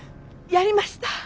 やりました。